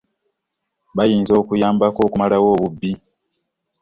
Bayinza okuyambako okumalawo obubbi.